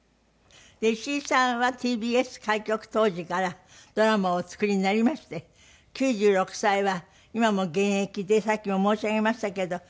石井さんはＴＢＳ開局当時からドラマをお作りになりまして９６歳は今も現役でさっきも申し上げましたけど。